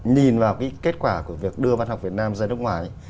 nhìn vào cái kết quả của việc đưa văn học việt nam ra nước ngoài